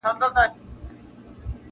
له هوا به پر هوسۍ حمله کومه-